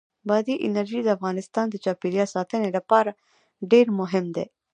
بادي انرژي د افغانستان د چاپیریال ساتنې لپاره ډېر مهم دي.